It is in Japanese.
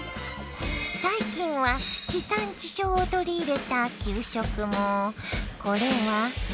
最近は地産地消を取り入れた給食も。